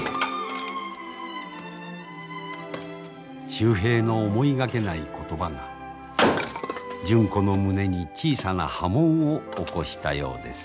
秀平の思いがけない言葉が純子の胸に小さな波紋を起こしたようです。